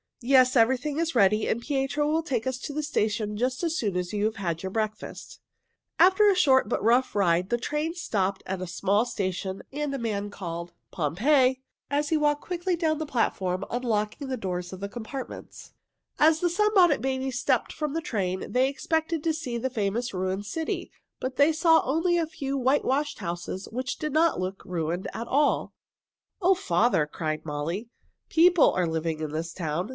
"Yes, everything is ready, and Pietro will take us to the station just as soon as you have had your breakfast." After a short but very rough ride the train stopped at a small station, and a man called, "Pompeii!" as he walked quickly down the platform unlocking the doors of the compartments. As the Sunbonnet Babies stepped from the train, they expected to see the famous ruined city, but they saw only a few whitewashed houses which did not look ruined at all. [Illustration: Molly and May felt as if they were in another world] "O father!" cried Molly. "People are living in this town.